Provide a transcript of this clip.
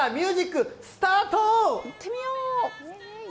いってみよー。